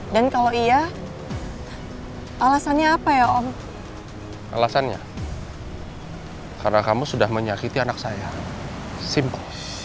dan kalau iya alasannya apa ya om alasannya karena kamu sudah menyakiti anak saya simple